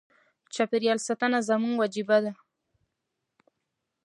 د چاپیریال ساتنه زموږ وجیبه ده.